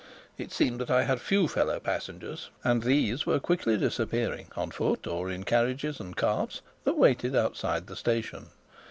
It seemed that I had few fellow passengers, and these were quickly disappearing on foot or in carriages and carts that waited outside the station.